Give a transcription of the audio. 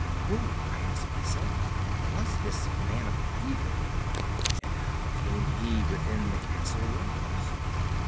Who, I asked myself, was this man of evil, and how came he within the castle walls?